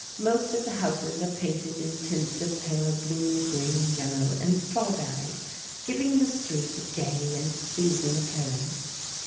Most of the houses are painted in tints of pale blue, green, yellow and strawberry, giving the street a gay and pleasing appearance.